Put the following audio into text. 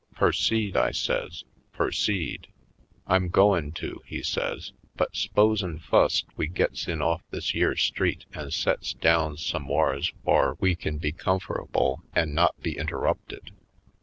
"Perceed," I says, "perceed." "I'm goin' to," he says, "but s'posen' fust we gits in off this yere street an' sets down somewhars whar we kin be comfor'able an' not be interrupted.